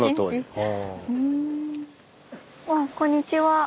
わあこんにちは。